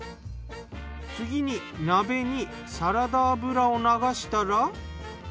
次に鍋にサラダ油を流したら。